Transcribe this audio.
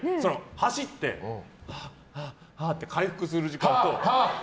走ってハアハアって回復する時間と。